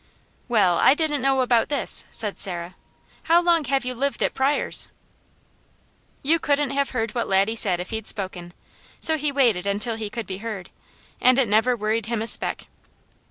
"Well, I didn't know about this," said Sarah. "How long have you lived at Pryors'?" You couldn't have heard what Laddie said if he'd spoken; so he waited until he could be heard, and it never worried him a speck.